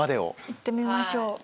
行ってみましょう。